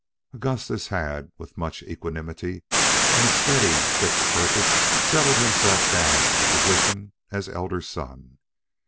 Augustus had, with much equanimity and a steady, fixed purpose, settled himself down to the position as elder son.